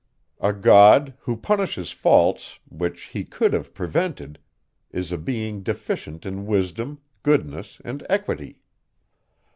A God, who punishes faults, which he could have prevented, is a being deficient in wisdom, goodness, and equity.